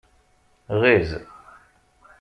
Ɣiz.